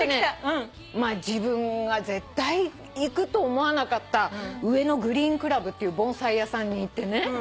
自分が絶対行くと思わなかった上野グリーンクラブっていう盆栽屋さんに行ってね。